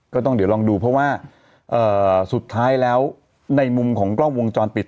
ก็ต้องเดี๋ยวลองดูเพราะว่าสุดท้ายแล้วในมุมของกล้องวงจรปิด